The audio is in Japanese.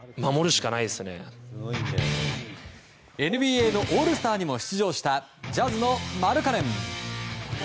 ＮＢＡのオールスターにも出場した、ジャズのマルカネン。